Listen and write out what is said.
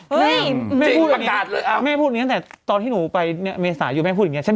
เฮ้ยแม่พูดแบบนี้แม่พูดแบบนี้ตั้งแต่ตอนที่หนูไปเนี้ยเมษาอยู่แม่พูดอย่างเงี้ย